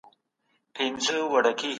د انسان پلورنه په هیڅ قانون کي ځای نه لري.